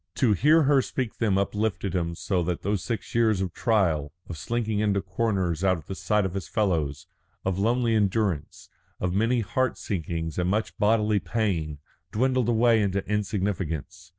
To hear her speak them uplifted him so that those six years of trial, of slinking into corners out of the sight of his fellows, of lonely endurance, of many heart sinkings and much bodily pain, dwindled away into insignificance.